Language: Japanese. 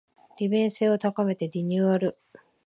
利便性を高めてリニューアル